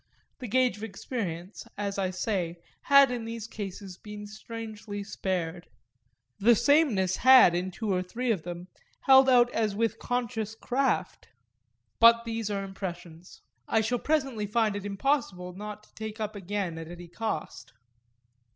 The gage of experience, as I say, had in these cases been strangely spared the sameness had in two or three of them held out as with conscious craft. But these are impressions I shall presently find it impossible not to take up again at any cost.